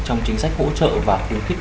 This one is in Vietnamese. trong chính sách hỗ trợ và phương thích